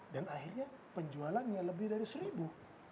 dan akhirnya penjualannya lebih dari seribu